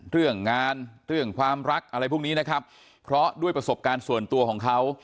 เรื่องงานเรื่องความรักอะไรพวกนี้นะครับเพราะด้วยประสบการณ์ส่วนตัวของเขา